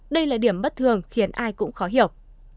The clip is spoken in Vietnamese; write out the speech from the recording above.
đây là điểm bất thường khiến ai cũng khó hiểu